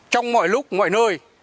trong mọi lúc ngoài nơi